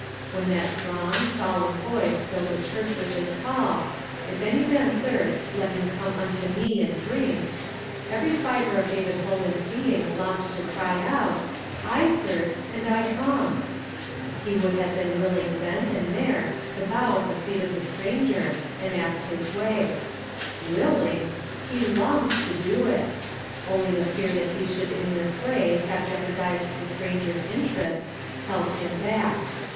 When that strong, solemn voice filled the church with his call, " If any man thirst, let him come unto me, and drink," every fibre of David Holman's being longed to cry out: "I tliirst, and I come !" He would luave been willing then and there to bow at the feet of the stranger, 226 YESTERDAY FRAMED IN TO DAY. and ask his way. " Willing !" he longed to do it. Only the fear that he should in this way have jeopardized that stranger's interests held him hack.